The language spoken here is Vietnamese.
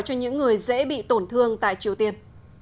cho những người dễ bị tổn thương tại triều tiên